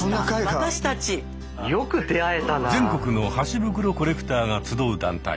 全国の箸袋コレクターが集う団体。